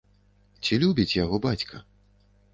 Ці любіць яго бацька?